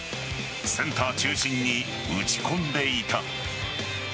センター中心に打ち込んでいた。